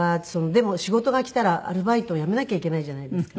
でも仕事が来たらアルバイトを辞めなきゃいけないじゃないですか。